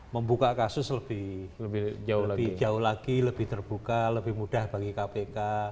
membuka kasus lebih jauh lagi lebih terbuka lebih mudah bagi kpk